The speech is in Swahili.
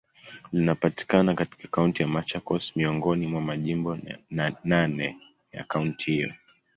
Linapatikana katika Kaunti ya Machakos, miongoni mwa majimbo naneya kaunti hiyo.